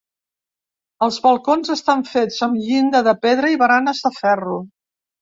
Els balcons estan fets amb llinda de pedra i baranes de ferro.